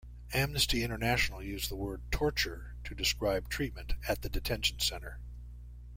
Amnesty International used the word "torture" to describe treatment at the detention center.